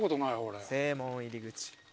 「正門入口」